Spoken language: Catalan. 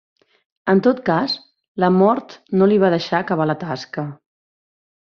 En tot cas la mort no li va deixar acabar la tasca.